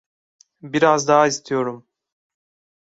Biraz daha istiyorum.